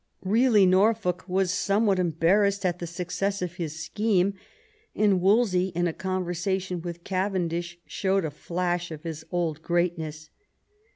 Eeally, Norfolk was somewhat embarrassed at the success of his scheme ; and Wolsey, in a conversation with Cavendish, showed a flash of his old greatness.